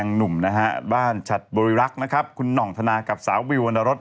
เนื้อหวานมากเลยนะ